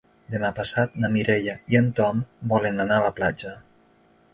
Demà passat na Mireia i en Tom volen anar a la platja.